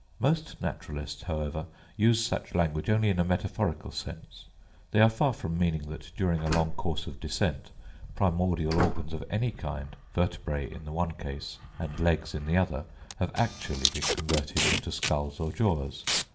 Most naturalists, however, use such language only in a metaphorical sense: they are far from meaning that during a long course of descent, primordial organs of any kind—vertebræ in the one case and legs in the other—have actually been converted into skulls or jaws.